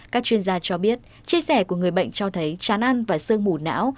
các chuyên gia cho biết chia sẻ của người bệnh cho thấy chán ăn và sương mù não